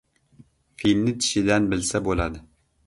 • Filni tishidan bilsa bo‘ladi.